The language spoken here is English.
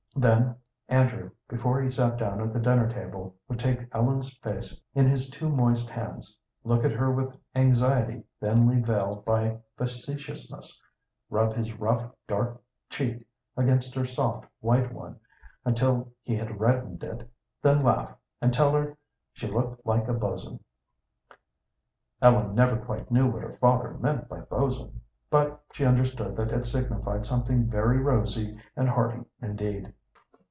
Then Andrew, before he sat down at the dinner table, would take Ellen's face in his two moist hands, look at her with anxiety thinly veiled by facetiousness, rub his rough, dark cheek against her soft, white one until he had reddened it, then laugh, and tell her she looked like a bo'sn. Ellen never quite knew what her father meant by bo'sn, but she understood that it signified something very rosy and hearty indeed.